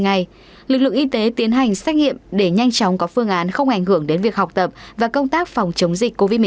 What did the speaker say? ngày lực lượng y tế tiến hành xét nghiệm để nhanh chóng có phương án không ảnh hưởng đến việc học tập và công tác phòng chống dịch covid một mươi chín